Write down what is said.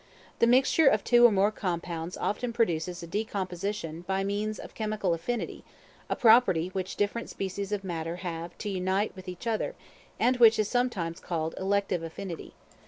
The mixture of two or more compounds often produces a decomposition by means of chemical affinity, a property which different species of matter have to unite with each other; and which is sometimes called elective affinity.